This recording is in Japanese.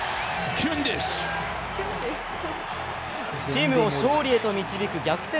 チームを勝利へと導く逆転